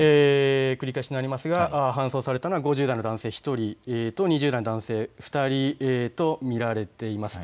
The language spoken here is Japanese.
繰り返しになりますが搬送されたのは５０代の男性１人と２０代の男性２人と見られています。